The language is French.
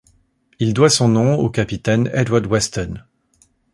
Il doit son nom au capitaine Edward Weston.